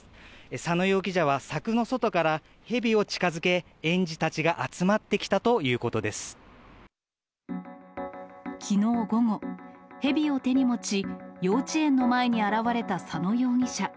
佐野容疑者は、柵の外からヘビを近づけ、園児たちが集まってきたきのう午後、ヘビを手に持ち、幼稚園の前に現れた佐野容疑者。